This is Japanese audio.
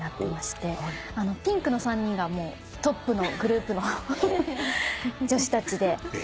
ピンクの３人がトップのグループの女子たちで。